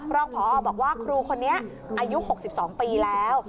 รองพอบอกว่าครูคนนี้อายุ๖๒ปีแล้ว